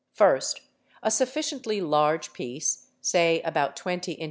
First "8 a sufficiently large piece, say about 20 in.